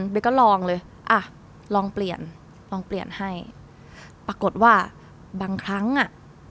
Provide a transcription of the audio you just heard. ก็ลองเลยอ่ะลองเปลี่ยนลองเปลี่ยนให้ปรากฏว่าบางครั้งอ่ะ